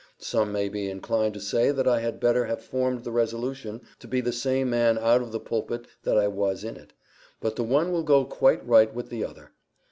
Some may be inclined to say that I had better have formed the resolution to be the same man out of the pulpit that I was in it. But the one will go quite right with the other.